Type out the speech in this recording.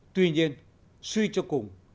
tuy nhiên suy cho cùng